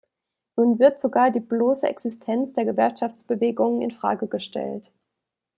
Nun wird sogar die bloße Existenz der Gewerkschaftsbewegung in Frage gestellt.